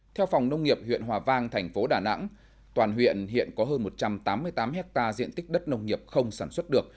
theo phòng nông nghiệp huyện hòa vang thành phố đà nẵng toàn huyện hiện có hơn một trăm tám mươi tám hectare diện tích đất nông nghiệp không sản xuất được